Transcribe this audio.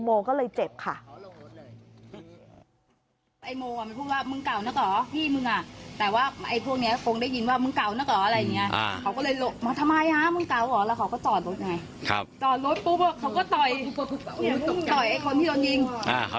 โมก็เลยเจ็บค่ะ